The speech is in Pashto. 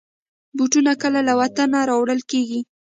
بوټونه کله له وطنه راوړل کېږي.